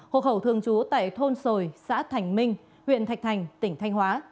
hộ khẩu thương chú tại thôn sồi xã thành minh huyện thạch thành tỉnh thanh hóa